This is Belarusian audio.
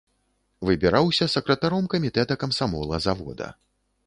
Выбіраўся сакратаром камітэта камсамола завода.